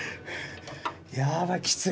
やばいきつい。